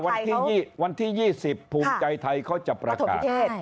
อาทิตย์หน้าวันที่๒๐ภูมิใจไทยเค้าจะปรากาศ